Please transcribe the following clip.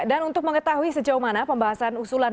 dan untuk mengetahui sejauh mana